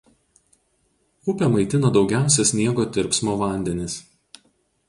Upę maitina daugiausia sniego tirpsmo vandenys.